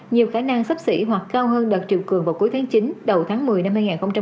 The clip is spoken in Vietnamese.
nhiều khả năng sắp xỉ hoặc cao hơn đợt triều cường vào cuối tháng chín đầu tháng một mươi năm hai nghìn hai mươi